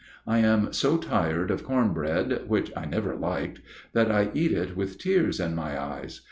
I am so tired of corn bread, which I never liked, that I eat it with tears in my eyes.